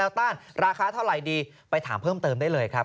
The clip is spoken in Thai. ต้านราคาเท่าไหร่ดีไปถามเพิ่มเติมได้เลยครับ